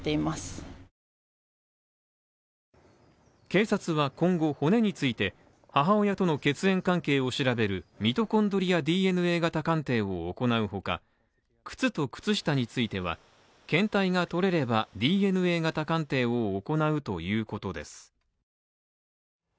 警察は今後骨について、母親との血縁関係を調べるミトコンドリアＤＮＡ型鑑定を行う他、靴と靴下については、検体が取れれば、ＤＮＡ型鑑定を行うということです。